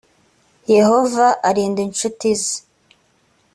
yehova arinda incuti ze